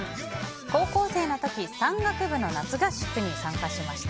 高校生の時山岳部の夏合宿に参加しました。